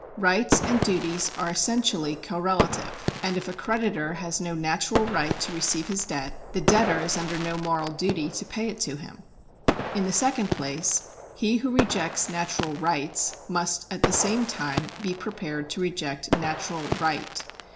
Rights and duties are essentially correlative, and if a creditor has no natural right to receive his debt, the debtor is under no moral duty to pay it to him. In the second place, he who rejects natural rights must at the same time be prepared to reject natural right.